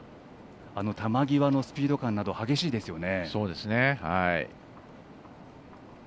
あの球際のスピード感なども激しいですね。